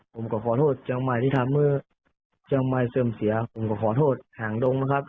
ผมก็ขอโทษเชียงใหม่ที่ทำเมื่อเชียงใหม่เสื่อมเสียผมก็ขอโทษหางดงนะครับ